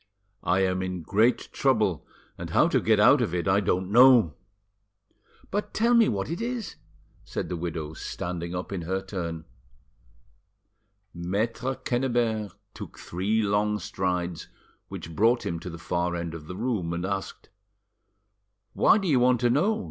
I am in great trouble, and how to get out of it I don't know." "But tell me what it is," said the widow, standing up in her turn. Maitre Quennebert took three long strides, which brought him to the far end of the room, and asked— "Why do you want to know?